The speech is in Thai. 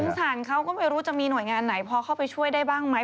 สารเขาก็ไม่รู้จะมีหน่วยงานไหนพอเข้าไปช่วยได้บ้างไหม